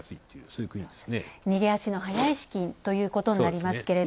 逃げ足の速い資金ということになりますけど。